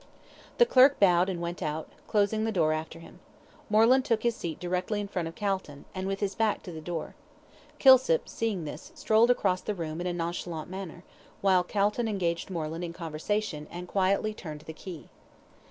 The clerk bowed and went out, closing the door after him. Moreland took his seat directly in front of Calton, and with his back to the door. Kilsip, seeing this, strolled across the room in a nonchalant manner, while Calton engaged Moreland in conversation, and quietly turned the key.